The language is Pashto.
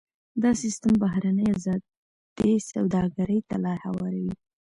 دا سیستم بهرنۍ ازادې سوداګرۍ ته لار هواروي.